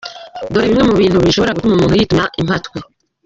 Dore bimwe mu bishobora gutuma umuntu yituma impatwe.